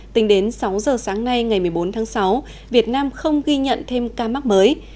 tính đến sáu giờ sáng nay ngày một mươi bốn tháng sáu việt nam không ghi nhận thêm ca mắc mới